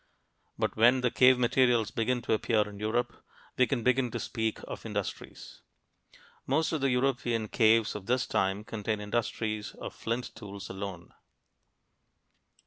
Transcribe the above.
But when the cave materials begin to appear in Europe, we can begin to speak of industries. Most of the European caves of this time contain industries of flint tools alone.